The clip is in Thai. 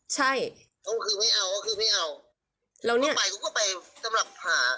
ใช่ก็คือไม่เอาก็คือไม่เอาแล้วนี่ไปเขาก็ไปสำหรับหา